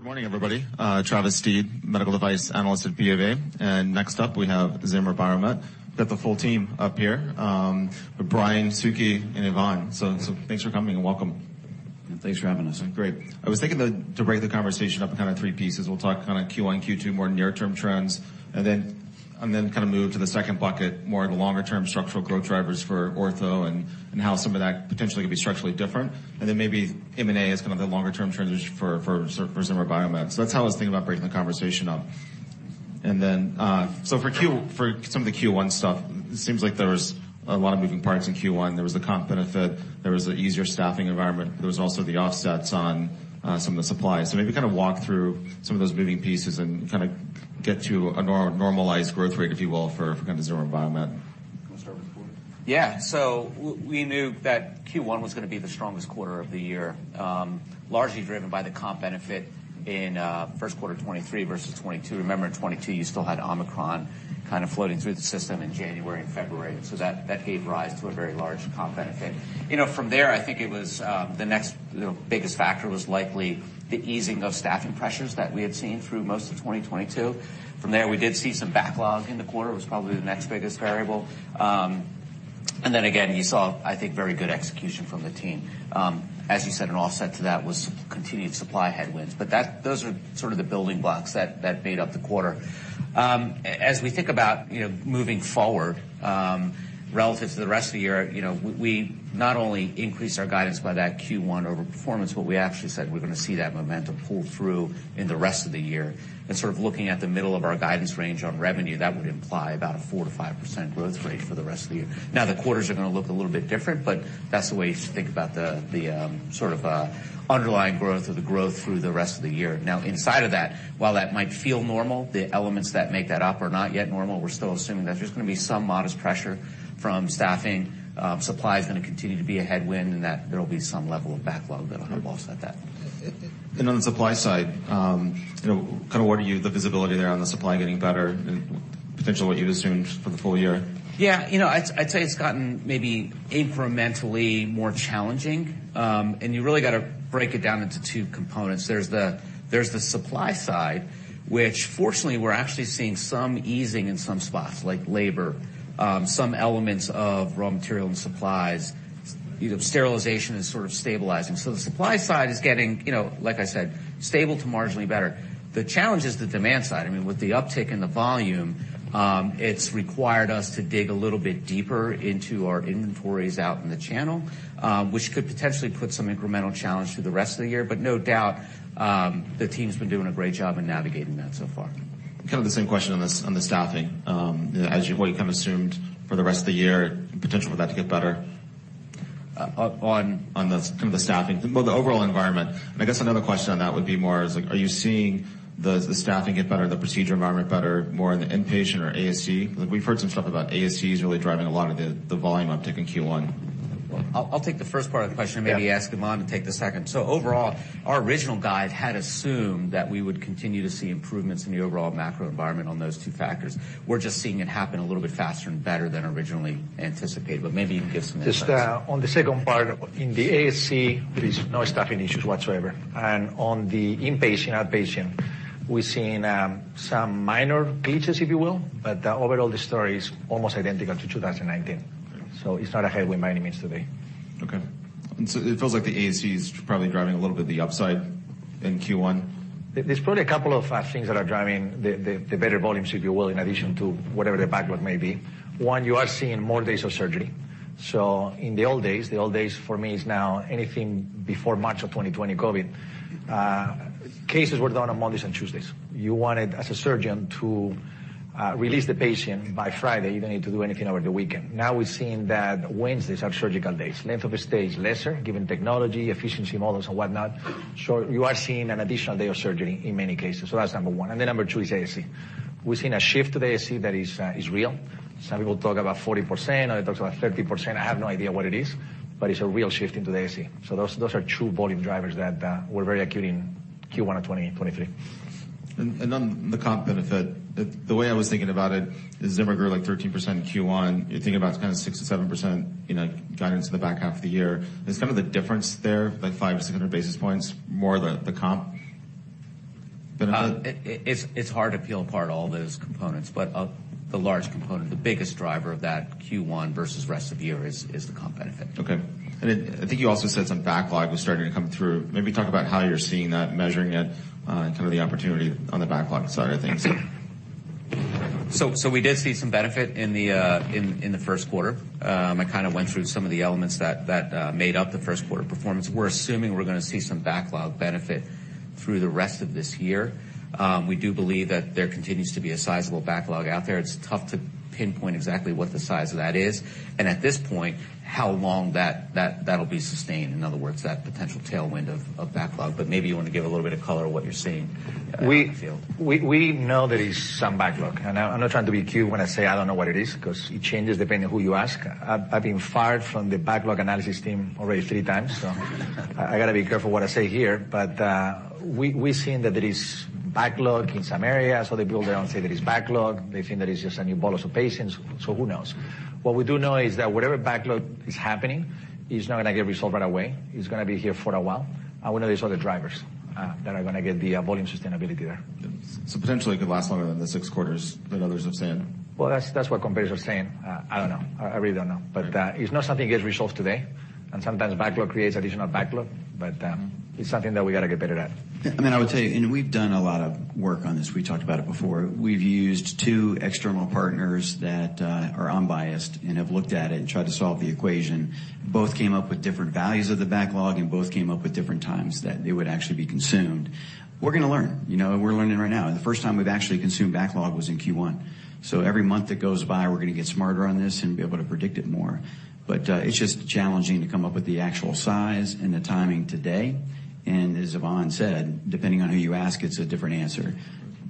Good morning, everybody. Travis Steed, Medical Device Analyst at BofA. Next up, we have Zimmer Biomet. Got the full team up here, Brian, Suky, and Ivan. So thanks for coming, and welcome. Thanks for having us. Great. I was thinking that to break the conversation up in kind of 3 pieces. We'll talk kinda Q1, Q2, more near-term trends. Then kinda move to the 2nd bucket, more of the longer term structural growth drivers for ortho and how some of that potentially could be structurally different. Then maybe M&A as kind of the longer term transition for Zimmer Biomet. That's how I was thinking about breaking the conversation up. For some of the Q1 stuff, it seems like there was a lot of moving parts in Q1. There was the comp benefit. There was the easier staffing environment. There was also the offsets on some of the supplies. maybe kind of walk through some of those moving pieces and kinda get to a normalized growth rate, if you will, for kinda Zimmer Biomet. Wanna start with quarter? Yeah. We knew that Q1 was gonna be the strongest quarter of the year, largely driven by the comp benefit in first quarter 2023 versus 2022. Remember in 2022, you still had Omicron kind of floating through the system in January and February, so that gave rise to a very large comp benefit. You know, from there, I think it was, the next, you know, biggest factor was likely the easing of staffing pressures that we had seen through most of 2022. From there, we did see some backlog in the quarter. It was probably the next biggest variable. Again, you saw, I think, very good execution from the team. As you said, an offset to that was continued supply headwinds. Those are sort of the building blocks that made up the quarter. As we think about, you know, moving forward, relative to the rest of the year, you know, we not only increased our guidance by that Q1 over performance, but we actually said we're gonna see that momentum pull through in the rest of the year. Sort of looking at the middle of our guidance range on revenue, that would imply about a 4%-5% growth rate for the rest of the year. The quarters are gonna look a little bit different, but that's the way you should think about the sort of underlying growth or the growth through the rest of the year. Inside of that, while that might feel normal, the elements that make that up are not yet normal. We're still assuming that there's gonna be some modest pressure from staffing. Supply is gonna continue to be a headwind, and that there will be some level of backlog that'll help offset that. On the supply side, you know, kind of what the visibility there on the supply getting better and potentially what you'd assumed for the full year? Yeah. You know, I'd say it's gotten maybe incrementally more challenging. You really gotta break it down into two components. There's the supply side, which fortunately, we're actually seeing some easing in some spots, like labor, some elements of raw material and supplies. You know, sterilization is sort of stabilizing. The supply side is getting, you know, like I said, stable to marginally better. The challenge is the demand side. I mean, with the uptick in the volume, it's required us to dig a little bit deeper into our inventories out in the channel, which could potentially put some incremental challenge through the rest of the year. No doubt, the team's been doing a great job in navigating that so far. Kind of the same question on the staffing. What you kind of assumed for the rest of the year, potential for that to get better. On the kind of the staffing, well, the overall environment. I guess another question on that would be more is like, are you seeing the staffing get better, the procedure environment better more in the inpatient or ASC? We've heard some stuff about ASCs really driving a lot of the volume uptick in Q1. I'll take the first part of the question. Yeah. Maybe ask Ivan to take the second. Overall, our original guide had assumed that we would continue to see improvements in the overall macro environment on those two factors. We're just seeing it happen a little bit faster and better than originally anticipated. Maybe you can give some insights. Just, on the second part, in the ASC, there is no staffing issues whatsoever. On the inpatient, outpatient, we're seeing some minor glitches, if you will. Overall, the story is almost identical to 2019. Okay. It's not a headwind by any means today. Okay. It feels like the ASC is probably driving a little bit the upside in Q1. There's probably a couple of things that are driving the better volumes, if you will, in addition to whatever the backlog may be. 1, you are seeing more days of surgery. In the old days, the old days for me is now anything before March of 2020 COVID. Cases were done on Mondays and Tuesdays. You wanted, as a surgeon, to release the patient by Friday. You didn't need to do anything over the weekend. Now we're seeing that Wednesdays have surgical days. Length of a stay is lesser, given technology, efficiency models and whatnot. Sure, you are seeing an additional day of surgery in many cases. That's 1. Then 2 is ASC. We're seeing a shift to the ASC that is real. Some people talk about 40%, others talk about 30%. I have no idea what it is, but it's a real shift into the ASC. Those are true volume drivers that were very acute in Q1 of 2023. On the comp benefit, the way I was thinking about it is Zimmer grew like 13% in Q1. You're thinking about kind of 6%-7%, you know, guidance in the back half of the year. Is some of the difference there, like 500-600 basis points more the comp benefit? It's hard to peel apart all those components, the large component, the biggest driver of that Q1 versus rest of year is the comp benefit. Okay. I think you also said some backlog was starting to come through. Maybe talk about how you're seeing that and measuring it, and kind of the opportunity on the backlog side of things. We did see some benefit in the first quarter. I kind of went through some of the elements that made up the first quarter performance. We're assuming we're going to see some backlog benefit through the rest of this year. We do believe that there continues to be a sizable backlog out there. It's tough to pinpoint exactly what the size of that is, and at this point, how long that'll be sustained, in other words, that potential tailwind of backlog. Maybe you want to give a little bit of color on what you're seeing in the field. We know there is some backlog. I'm not trying to be cute when I say I don't know what it is, 'cause it changes depending on who you ask. I've been fired from the backlog analysis team already 3 times, I gotta be careful what I say here. We've seen that there is backlog in some areas. Other people, they don't say there is backlog. They think there is just a new bolus of patients, who knows? What we do know is that whatever backlog is happening is not gonna get resolved right away. It's gonna be here for a while. One of these other drivers that are gonna get the volume sustainability there. Yes. potentially it could last longer than the 6 quarters that others have said. Well, that's what competitors are saying. I don't know. I really don't know. It's not something that gets resolved today, and sometimes backlog creates additional backlog. It's something that we gotta get better at. I would tell you, and we've done a lot of work on this. We talked about it before. We've used two external partners that are unbiased and have looked at it and tried to solve the equation. Both came up with different values of the backlog, and both came up with different times that it would actually be consumed. We're gonna learn, you know? We're learning right now. The first time we've actually consumed backlog was in Q1. Every month that goes by, we're gonna get smarter on this and be able to predict it more. It's just challenging to come up with the actual size and the timing today. As Ivan said, depending on who you ask, it's a different answer.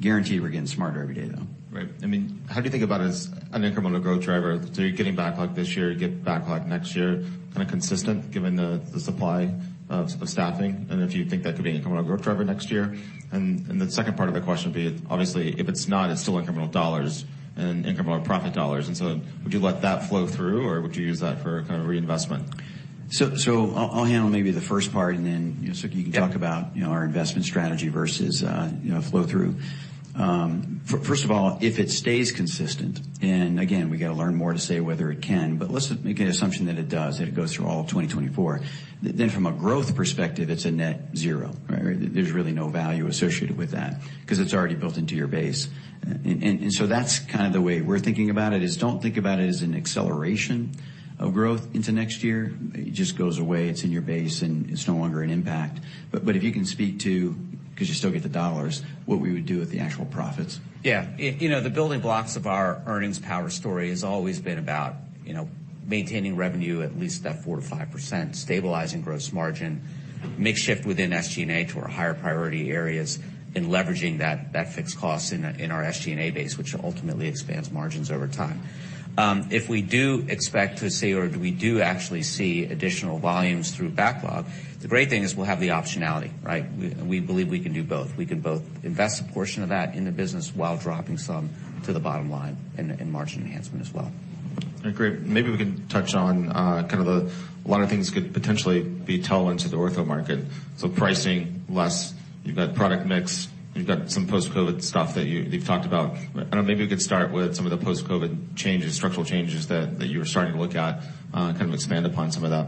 Guarantee we're getting smarter every day, though. Right. I mean, how do you think about as an incremental growth driver? You're getting backlog this year, you get backlog next year, kinda consistent given the supply of staffing, and if you think that could be an incremental growth driver next year. The second part of the question would be, obviously, if it's not, it's still incremental dollars and incremental profit dollars. Would you let that flow through, or would you use that for kind of reinvestment? I'll handle maybe the first part, and then, you know, Suky, you can talk about, you know, our investment strategy versus, you know, flow through. First of all, if it stays consistent, and again, we gotta learn more to say whether it can, but let's make an assumption that it does, that it goes through all of 2024. Then from a growth perspective, it's a net zero, right? There's really no value associated with that 'cause it's already built into your base. That's kind of the way we're thinking about it, is don't think about it as an acceleration of growth into next year. It just goes away. It's in your base, and it's no longer an impact. If you can speak to, 'cause you still get the $, what we would do with the actual profits. Yeah. You know, the building blocks of our earnings power story has always been about, you know, maintaining revenue at least at 4%-5%, stabilizing gross margin, mix shift within SG&A to our higher priority areas, and leveraging that fixed cost in our SG&A base, which ultimately expands margins over time. If we do expect to see or we do actually see additional volumes through backlog, the great thing is we'll have the optionality, right? We believe we can do both. We can both invest a portion of that in the business while dropping some to the bottom line in margin enhancement as well. I agree. Maybe we can touch on, kind of a lot of things could potentially be tailwinds to the ortho market. Pricing less, you've got product mix, you've got some post-COVID stuff that you've talked about. I don't know, maybe you could start with some of the post-COVID changes, structural changes that you were starting to look at, and kind of expand upon some of that.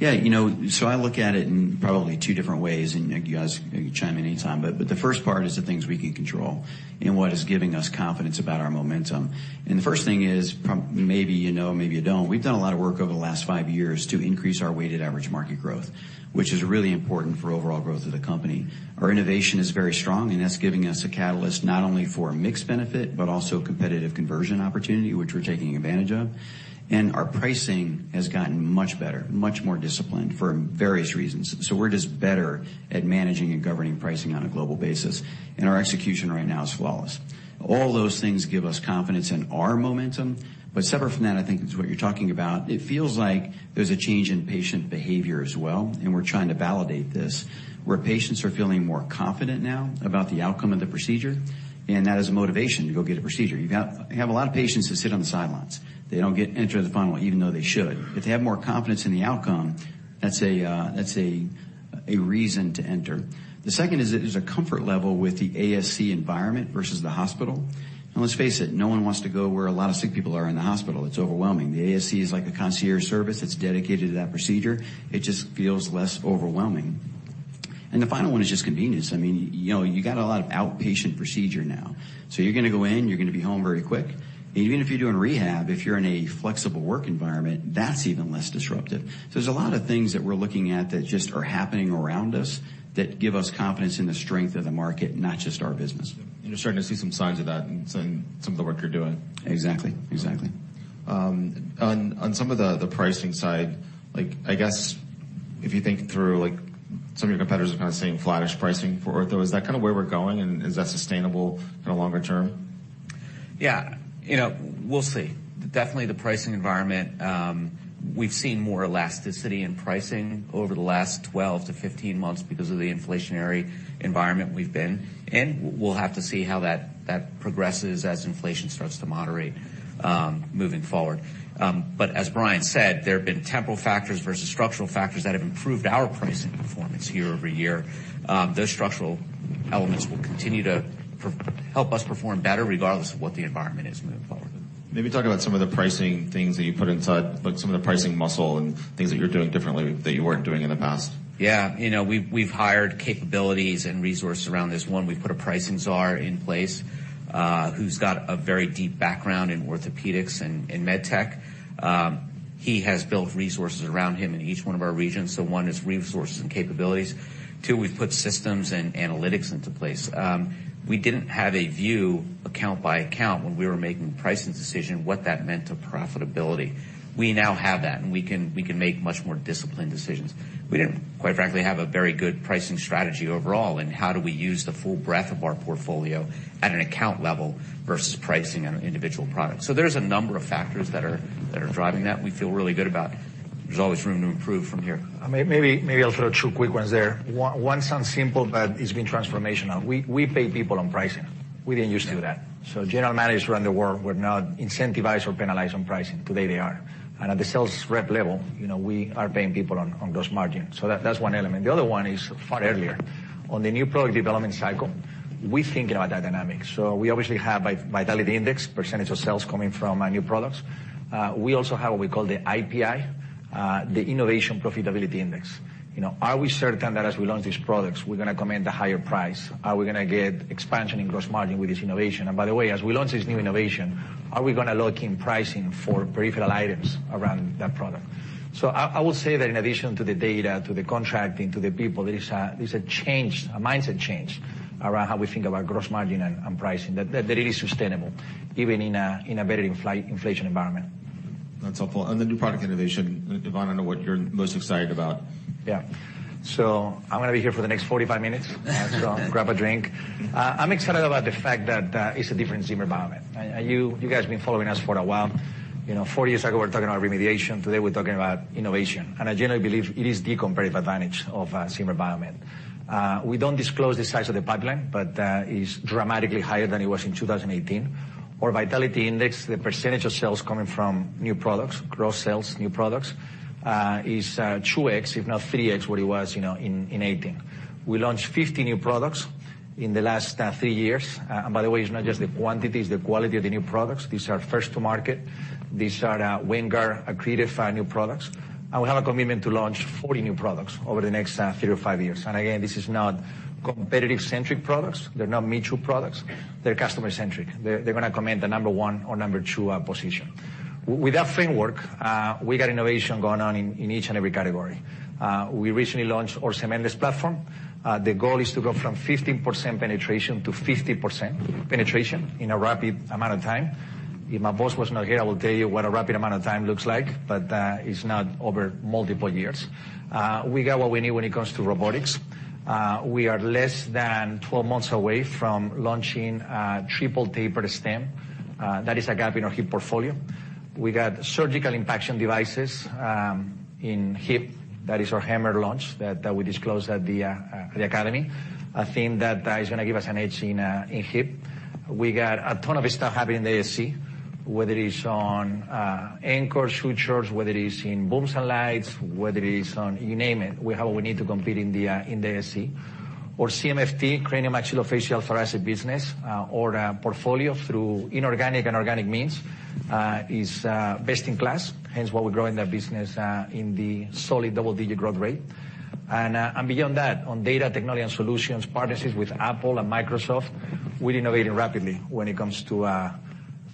You know, I look at it in probably two different ways, and you guys can chime in anytime. The first part is the things we can control and what is giving us confidence about our momentum. The first thing is maybe you know, maybe you don't. We've done a lot of work over the last five years to increase our weighted average market growth, which is really important for overall growth of the company. Our innovation is very strong, and that's giving us a catalyst not only for mix benefit, but also competitive conversion opportunity, which we're taking advantage of. Our pricing has gotten much better, much more disciplined for various reasons. We're just better at managing and governing pricing on a global basis, and our execution right now is flawless. All those things give us confidence in our momentum, but separate from that, I think is what you're talking about, it feels like there's a change in patient behavior as well, and we're trying to validate this, where patients are feeling more confident now about the outcome of the procedure, and that is a motivation to go get a procedure. You have a lot of patients that sit on the sidelines. They don't get entered into the funnel even though they should. If they have more confidence in the outcome, that's a, that's a reason to enter. The second is there's a comfort level with the ASC environment versus the hospital. Let's face it, no one wants to go where a lot of sick people are in the hospital. It's overwhelming. The ASC is like a concierge service that's dedicated to that procedure. It just feels less overwhelming. The final 1 is just convenience. I mean, you know, you got a lot of outpatient procedure now. You're gonna go in, you're gonna be home very quick. Even if you're doing rehab, if you're in a flexible work environment, that's even less disruptive. There's a lot of things that we're looking at that just are happening around us that give us confidence in the strength of the market, not just our business. You're starting to see some signs of that in some of the work you're doing. Exactly. On some of the pricing side, like, I guess if you think through, like, some of your competitors are kind of seeing flattish pricing for ortho, is that kind of where we're going, and is that sustainable in the longer term? Yeah. You know, we'll see. Definitely the pricing environment, we've seen more elasticity in pricing over the last 12 to 15 months because of the inflationary environment we've been in. We'll have to see how that progresses as inflation starts to moderate, moving forward. As Brian said, there have been temporal factors versus structural factors that have improved our pricing performance year-over-year. Those structural elements will continue to help us perform better regardless of what the environment is moving forward. Maybe talk about some of the pricing things that you put inside, like some of the pricing muscle and things that you're doing differently that you weren't doing in the past. Yeah. You know, we've hired capabilities and resources around this. One, we've put a pricing czar in place, who's got a very deep background in orthopedics and MedTech. He has built resources around him in each one of our regions. One is resources and capabilities. Two, we've put systems and analytics into place. We didn't have a view account by account when we were making pricing decision, what that meant to profitability. We now have that, and we can make much more disciplined decisions. We didn't, quite frankly, have a very good pricing strategy overall in how do we use the full breadth of our portfolio at an account level versus pricing on an individual product. There's a number of factors that are driving that we feel really good about. There's always room to improve from here. Maybe I'll throw two quick ones there. One sounds simple, but it's been transformational. We pay people on pricing. We didn't used to do that. General managers around the world were not incentivized or penalized on pricing. Today, they are. At the sales rep level, you know, we are paying people on gross margin. That's one element. The other one is far earlier. On the new product development cycle, we think about that dynamic. We obviously have a vitality index, % of sales coming from new products. We also have what we call the IPI, the innovation profitability index. You know, are we certain that as we launch these products, we're gonna command a higher price? Are we gonna get expansion in gross margin with this innovation? By the way, as we launch this new innovation, are we gonna lock in pricing for peripheral items around that product? I will say that in addition to the data, to the contracting, to the people, there is a change, a mindset change around how we think about gross margin and pricing, that it is sustainable even in a better inflation environment. That's helpful. On the new product innovation, Ivan, I know what you're most excited about. Yeah. I'm gonna be here for the next 45 minutes. Grab a drink. I'm excited about the fact that it's a different Zimmer Biomet. You guys have been following us for a while. You know, four years ago, we were talking about remediation. Today, we're talking about innovation. I generally believe it is the competitive advantage of Zimmer Biomet. We don't disclose the size of the pipeline, but it's dramatically higher than it was in 2018. Our vitality index, the percentage of sales coming from new products, gross sales, new products, is 2x, if not 3x what it was, you know, in '18. We launched 50 new products in the last three years. By the way, it's not just the quantity, it's the quality of the new products. These are first to market. These are Winger accretive new products. We have a commitment to launch 40 new products over the next 3 to 5 years. Again, this is not competitive-centric products. They're not me-too products. They're customer-centric. They're gonna command the number one or number two position. With that framework, we got innovation going on in each and every category. We recently launched our cementless platform. The goal is to go from 15% penetration to 50% penetration in a rapid amount of time. If my boss was not here, I will tell you what a rapid amount of time looks like, but it's not over multiple years. We got what we need when it comes to robotics. We are less than 12 months away from launching a triple tapered stem. That is a gap in our hip portfolio. We got surgical impaction devices in hip. That is our HAMMR launch that we disclosed at the Academy. A theme that is gonna give us an edge in hip. We got a ton of stuff happening in ASC, whether it's on anchors, sutures, whether it's in booms and lights, whether it's on... You name it, we have what we need to compete in the ASC. Our CMFT, cranio-maxillofacial thoracic business or portfolio through inorganic and organic means is best in class, hence why we're growing that business in the solid double-digit growth rate. Beyond that, on data technology and solutions, partnerships with Apple and Microsoft, we're innovating rapidly when it comes to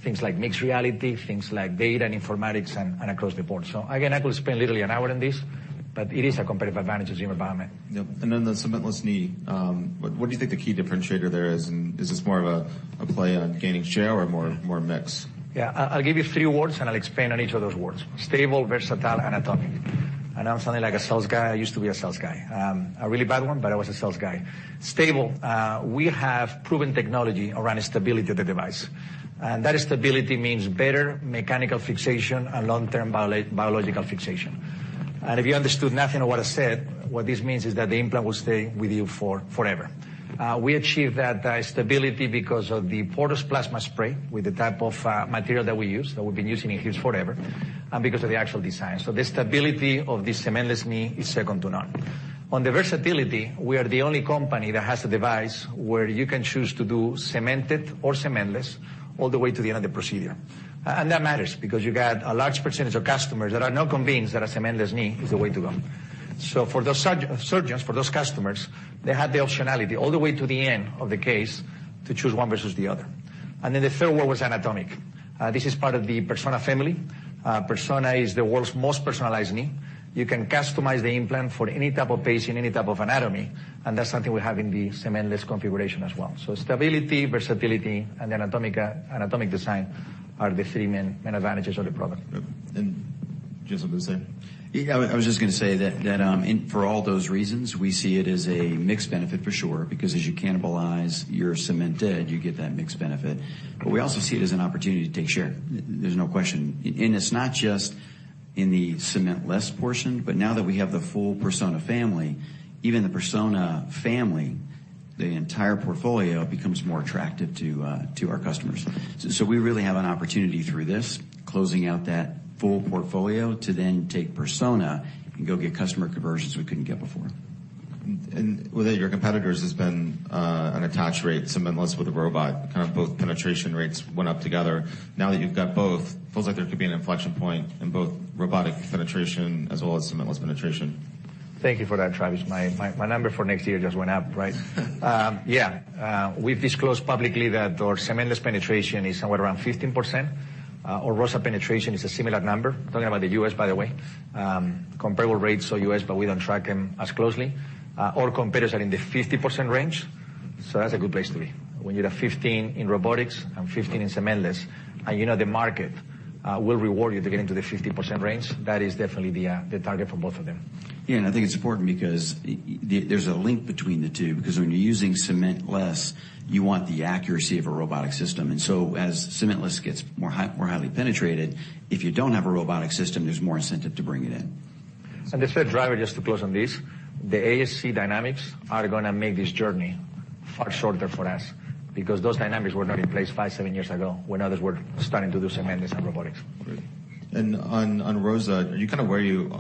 things like mixed reality, things like data and informatics, and across the board. Again, I could spend literally an hour on this, but it is a competitive advantage of Zimmer Biomet. Yep. Then the cementless knee, what do you think the key differentiator there is? Is this more of a play on gaining share or more mix? Yeah. I'll give you three words. I'll expand on each of those words. Stable, versatile, anatomic. I know I sound like a sales guy. I used to be a sales guy. A really bad one. I was a sales guy. Stable, we have proven technology around the stability of the device. That stability means better mechanical fixation and long-term biological fixation. If you understood nothing of what I said, what this means is that the implant will stay with you forever. We achieve that stability because of the Porous Plasma Spray with the type of material that we use, that we've been using in hips forever, because of the actual design. The stability of the cementless knee is second to none. On the versatility, we are the only company that has a device where you can choose to do cemented or cementless all the way to the end of the procedure. That matters because you got a large percentage of customers that are now convinced that a cementless knee is the way to go. For those surgeons, for those customers, they have the optionality all the way to the end of the case to choose one versus the other. The third word was anatomic. This is part of the Persona family. Persona is the world's most personalized knee. You can customize the implant for any type of patient, any type of anatomy, and that's something we have in the cementless configuration as well. Stability, versatility, and anatomic design are the three main advantages of the product. Yep. Do you have something to say? Yeah. I was just gonna say that for all those reasons, we see it as a mixed benefit for sure, because as you cannibalize your cemented, you get that mixed benefit. We also see it as an opportunity to take share. There's no question. And it's not just in the cementless portion, but now that we have the full Persona family, even the Persona family, the entire portfolio becomes more attractive to our customers. We really have an opportunity through this, closing out that full portfolio to then take Persona and go get customer conversions we couldn't get before. With your competitors, there's been an attach rate, cementless with a robot, kind of both penetration rates went up together. Now that you've got both, feels like there could be an inflection point in both robotic penetration as well as cementless penetration. Thank you for that, Travis. My number for next year just went up, right? Yeah. We've disclosed publicly that our cementless penetration is somewhere around 15%. Our robot penetration is a similar number. Talking about the U.S., by the way. Comparable rates are U.S., but we don't track them as closely. Our competitors are in the 50% range, so that's a good place to be. When you're at 15 in robotics and 15 in cementless, and you know the market will reward you to get into the 50% range, that is definitely the target for both of them. I think it's important because there's a link between the two, because when you're using cementless, you want the accuracy of a robotic system. As cementless gets more high, more highly penetrated, if you don't have a robotic system, there's more incentive to bring it in. The third driver, just to close on this, the ASC dynamics are gonna make this journey far shorter for us because those dynamics were not in place 5-7 years ago when others were starting to do some amendments on robotics. Great. On ROSA, are you kind of where you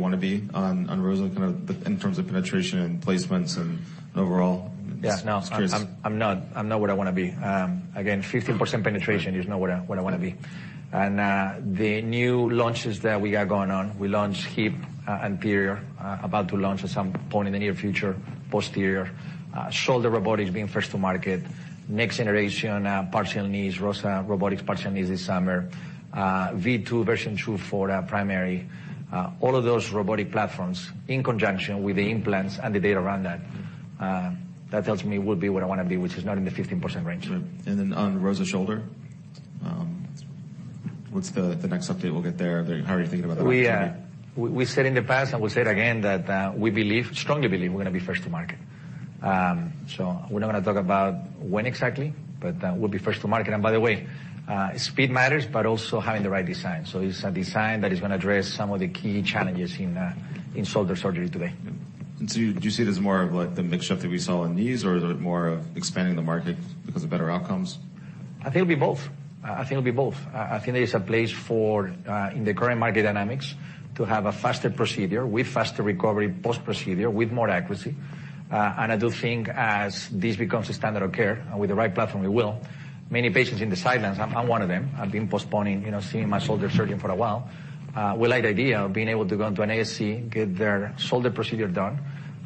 wanna be on ROSA in terms of penetration and placements and overall? Yeah. No. Just curious. I'm not where I wanna be. Again, 15% penetration is not where I wanna be. The new launches that we got going on, we launched hip, and [Theo], about to launch at some point in the near future, posterior. Shoulder robotics being first to market, next generation, partial knees, ROSA robotics partial knees this summer. V2, version 2 for our primary. All of those robotic platforms in conjunction with the implants and the data around that tells me we'll be where I wanna be, which is not in the 15% range. Right. Then on ROSA shoulder, what's the next update we'll get there? How are you thinking about that opportunity? We said in the past, and we'll say it again, that we believe, strongly believe we're gonna be first to market. We're not gonna talk about when exactly, but we'll be first to market. By the way, speed matters, but also having the right design. It's a design that is gonna address some of the key challenges in shoulder surgery today. Do you see it as more of like the mix shift that we saw in knees, or is it more of expanding the market because of better outcomes? I think it'll be both. I think it'll be both. I think there's a place for in the current market dynamics to have a faster procedure with faster recovery post-procedure with more accuracy. I do think as this becomes a standard of care, and with the right platform it will, many patients in the sidelines, I'm one of them, I've been postponing, you know, seeing my shoulder surgeon for a while, will like the idea of being able to go into an ASC, get their shoulder procedure done,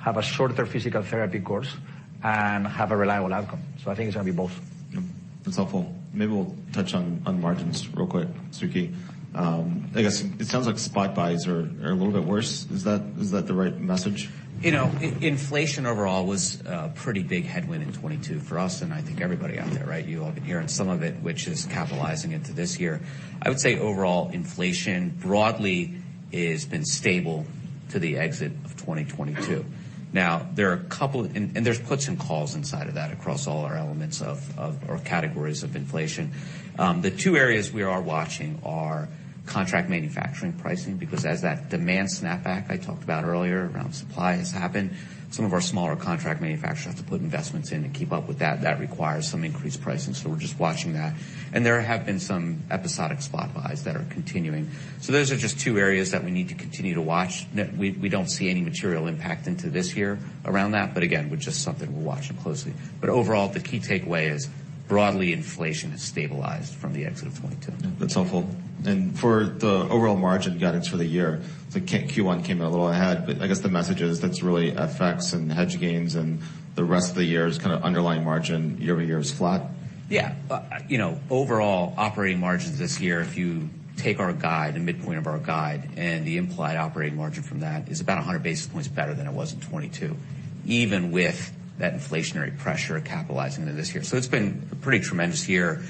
have a shorter physical therapy course, and have a reliable outcome. I think it's gonna be both. Yeah. That's helpful. Maybe we'll touch on margins real quick. Suky, I guess it sounds like spot buys are a little bit worse. Is that, is that the right message? You know, inflation overall was a pretty big headwind in 2022 for us. I think everybody out there, right? You all have been hearing some of it, which is capitalizing into this year. I would say overall inflation broadly is been stable to the exit of 2022. There's puts and calls inside of that across all our elements of or categories of inflation. The two areas we are watching are contract manufacturing pricing, because as that demand snapback I talked about earlier around supply has happened, some of our smaller contract manufacturers have to put investments in to keep up with that. That requires some increased pricing, so we're just watching that. There have been some episodic spot buys that are continuing. Those are just two areas that we need to continue to watch. we don't see any material impact into this year around that, but again, just something we're watching closely. Overall, the key takeaway is broadly inflation has stabilized from the exit of 2022. Yeah. That's helpful. For the overall margin guidance for the year, Q1 came in a little ahead. I guess the message is that's really FX and hedge gains. The rest of the year is kind of underlying margin year-over-year is flat. Yeah. you know, overall operating margins this year, if you take our guide, the midpoint of our guide and the implied operating margin from that, is about 100 basis points better than it was in 2022, even with that inflationary pressure capitalizing into this year. It's been a pretty tremendous year,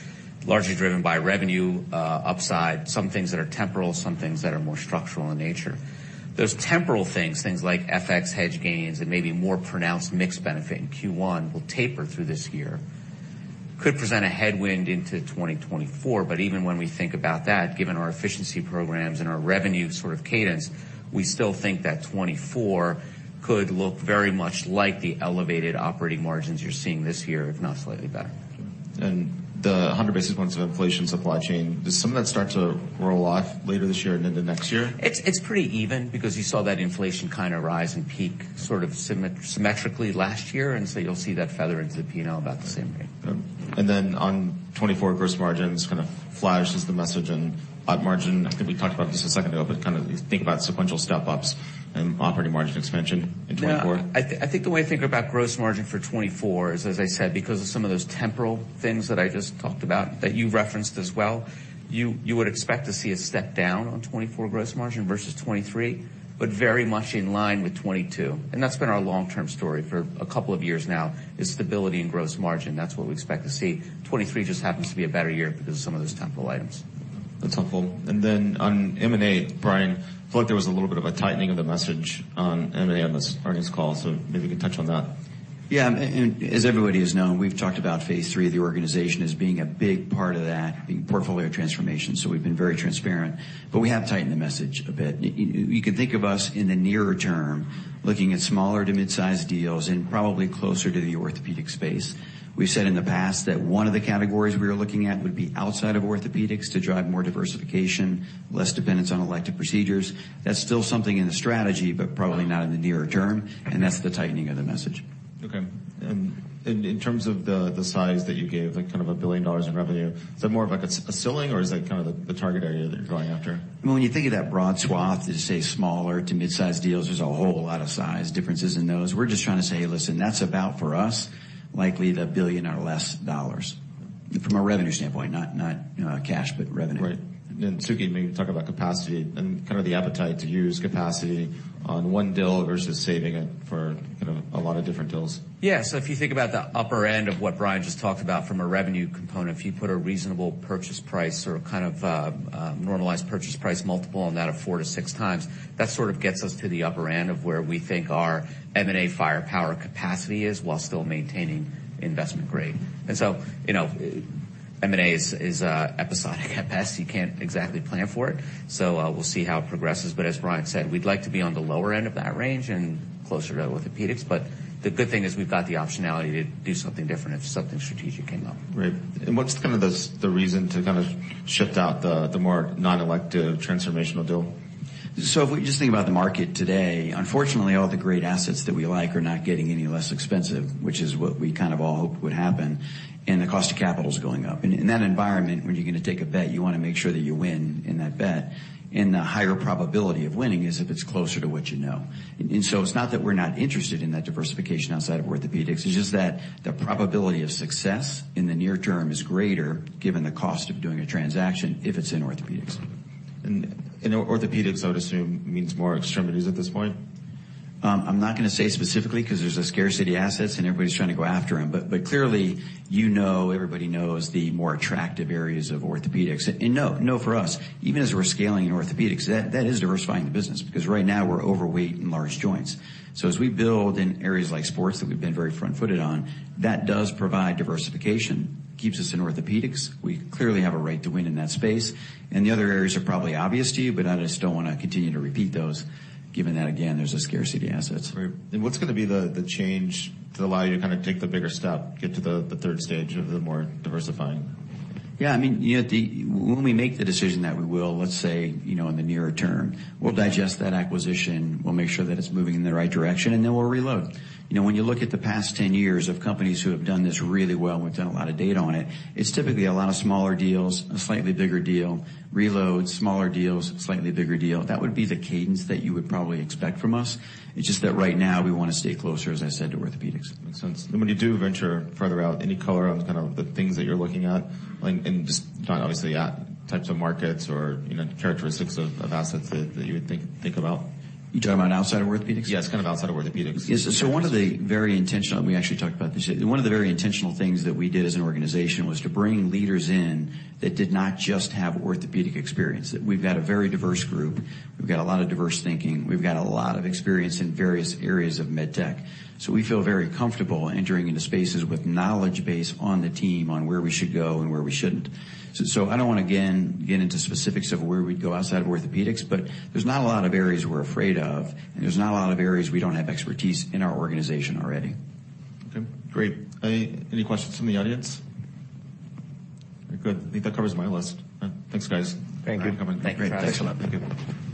largely driven by revenue, upside, some things that are temporal, some things that are more structural in nature. Those temporal things like FX hedge gains and maybe more pronounced mix benefit in Q1 will taper through this year, could present a headwind into 2024, but even when we think about that, given our efficiency programs and our revenue sort of cadence, we still think that 2024 could look very much like the elevated operating margins you're seeing this year, if not slightly better. The 100 basis points of inflation supply chain, does some of that start to roll off later this year and into next year? It's pretty even because you saw that inflation kind of rise and peak sort of symmetrically last year, and so you'll see that feather into the P&L about the same way. On 2024 gross margins, kind of flat is the message. Op margin, I think we talked about this a second ago, but kind of think about sequential step-ups and operating margin expansion in 2024. Yeah. I think the way I think about gross margin for 2024 is, as I said, because of some of those temporal things that I just talked about that you referenced as well, you would expect to see a step down on 2024 gross margin versus 2023, but very much in line with 2022. That's been our long-term story for a couple of years now, is stability in gross margin. That's what we expect to see. 2023 just happens to be a better year because of some of those temporal items. That's helpful. On M&A, Brian, I feel like there was a little bit of a tightening of the message on M&A on this earnings call, so maybe you can touch on that. And as everybody has known, we've talked about Phase 3 of the organization as being a big part of that, the portfolio transformation. We've been very transparent. We have tightened the message a bit. You could think of us in the nearer term looking at smaller to mid-size deals and probably closer to the orthopedic space. We've said in the past that one of the categories we are looking at would be outside of orthopedics to drive more diversification, less dependence on elective procedures. That's still something in the strategy, but probably not in the nearer term. That's the tightening of the message. Okay. In terms of the size that you gave, like kind of $1 billion in revenue, is that more of like a ceiling, or is that kind of the target area that you're going after? When you think of that broad swath to say smaller to mid-size deals, there's a whole lot of size differences in those. We're just trying to say, "Hey, listen, that's about for us likely the $1 billion or less," from a revenue standpoint, not, you know, cash, but revenue. Right. Suky, maybe talk about capacity and kind of the appetite to use capacity on one deal versus saving it for, you know, a lot of different deals. Yeah. If you think about the upper end of what Brian just talked about from a revenue component, if you put a reasonable purchase price or kind of, normalized purchase price multiple on that of 4x-6x, that sort of gets us to the upper end of where we think our M&A firepower capacity is while still maintaining investment grade. you know. M&A is episodic at best. You can't exactly plan for it. We'll see how it progresses. As Brian said, we'd like to be on the lower end of that range and closer to orthopedics. The good thing is we've got the optionality to do something different if something strategic came up. Right. What's kind of the reason to kind of shift out the more non-elective transformational deal? If we just think about the market today, unfortunately, all the great assets that we like are not getting any less expensive, which is what we kind of all hoped would happen, and the cost of capital is going up. In that environment, when you're gonna take a bet, you wanna make sure that you win in that bet, and the higher probability of winning is if it's closer to what you know. It's not that we're not interested in that diversification outside of orthopedics. It's just that the probability of success in the near term is greater given the cost of doing a transaction if it's in orthopedics. Orthopedics, I would assume, means more extremities at this point? I'm not gonna say specifically 'cause there's a scarcity assets, and everybody's trying to go after them. But clearly, you know, everybody knows the more attractive areas of orthopedics. No, for us, even as we're scaling in orthopedics, that is diversifying the business because right now we're overweight in large joints. As we build in areas like sports that we've been very front-footed on, that does provide diversification, keeps us in orthopedics. We clearly have a right to win in that space, the other areas are probably obvious to you, but I just don't wanna continue to repeat those given that, again, there's a scarcity of assets. Right. What's gonna be the change to allow you to kinda take the bigger step, get to the third stage of the more diversifying? Yeah, I mean, you know, when we make the decision that we will, let's say, you know, in the nearer term, we'll digest that acquisition. We'll make sure that it's moving in the right direction, and then we'll reload. You know, when you look at the past 10 years of companies who have done this really well, and we've done a lot of data on it's typically a lot of smaller deals, a slightly bigger deal, reload, smaller deals, slightly bigger deal. That would be the cadence that you would probably expect from us. It's just that right now, we wanna stay closer, as I said, to orthopedics. Makes sense. When you do venture further out, any color on kind of the things that you're looking at? Like, just not obviously at types of markets or, you know, characteristics of assets that you would think about. You talking about outside of orthopedics? Yes, kind of outside of orthopedics. Yeah. We actually talked about this. One of the very intentional things that we did as an organization was to bring leaders in that did not just have orthopedic experience. We've got a very diverse group. We've got a lot of diverse thinking. We've got a lot of experience in various areas of MedTech. We feel very comfortable entering into spaces with knowledge base on the team on where we should go and where we shouldn't. I don't wanna, again, get into specifics of where we'd go outside of orthopedics, but there's not a lot of areas we're afraid of, and there's not a lot of areas we don't have expertise in our organization already. Okay, great. Any questions from the audience? Very good. I think that covers my list. Thanks, guys. Thank you. For coming. Thanks, Brian. Thanks a lot. Thank you.